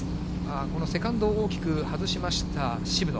このセカンドを大きく外しました渋野。